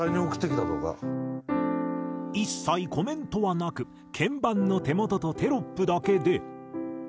一切コメントはなく鍵盤の手元とテロップだけで。